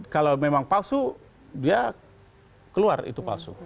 kalau memang palsu dia keluar itu palsu